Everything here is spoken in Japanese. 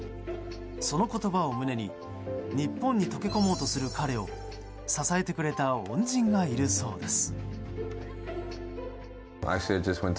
その言葉を胸に日本に溶け込もうとする彼を支えてくれた恩人がいるそうです。